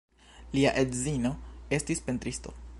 Lia edzino estis pentristo.